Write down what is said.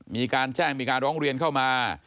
มีการแจ้งมีการร้องเรียนเข้ามา